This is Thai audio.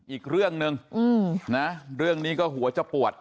อีกเรื่องหนึ่งนะเรื่องนี้ก็หัวจะปวด